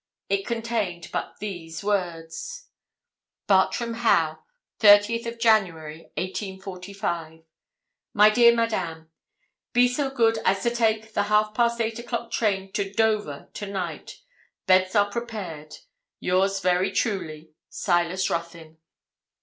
It contained but these words: Bartram Haugh: '30th January, 1845. 'MY DEAR MADAME, 'Be so good as to take the half past eight o'clock train to Dover to night. Beds are prepared. Yours very truly, SILAS RUTHYN.'